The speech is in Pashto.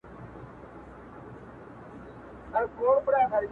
ځیني چې د حالاتو نه دې خبر